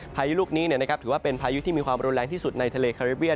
พายุลูกนี้ถือว่าเป็นพายุที่มีความรุนแรงที่สุดในทะเลคาริเวีย